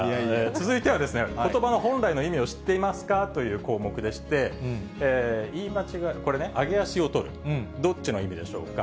続いては、ことばの本来の意味を知っていますかという項目でして、言い間違い、揚げ足をとる、どっちの意味でしょうか。